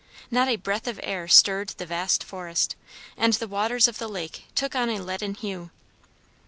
Not a breath of air stirred the vast forest, and the waters of the lake took on a leaden hue.